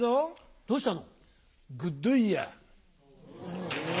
どどうしたの？